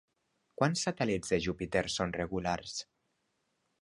Quants satèl·lits de Júpiter són regulars?